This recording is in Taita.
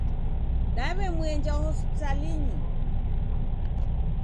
Daw'emwenja Hospitalinyi